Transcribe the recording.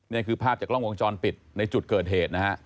นี่คือภาพจากกล้องวงจรปิดในจุดเกิดเหตุนะฮะ